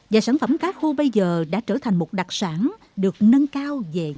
và sản phẩm cá khô bây giờ đã trở thành một đặc sản được nâng cao về gia đình